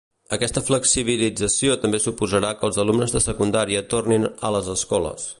Aquesta flexibilització també suposarà que els alumnes de secundària tornin a les escoles.